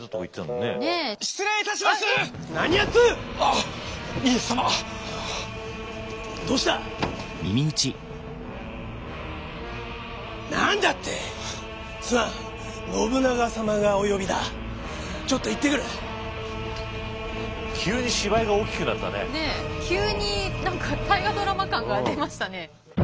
ねっ急に何か「大河ドラマ」感が出ましたね。